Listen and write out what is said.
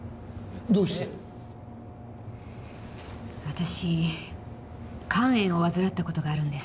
私肝炎を患った事があるんです。